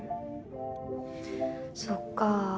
そっか。